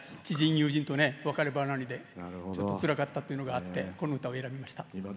知人友人と別れ離れでちょっとつらかったというのがあってこの歌を選びました。